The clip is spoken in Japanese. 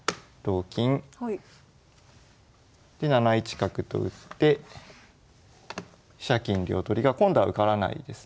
で７一角と打って飛車金両取りが今度は受からないですね。